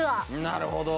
なるほど。